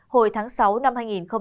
hồi tháng sáu năm hai nghìn hai mươi